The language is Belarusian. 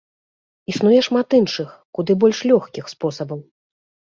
Існуе шмат іншых, куды больш лёгкіх, спосабаў.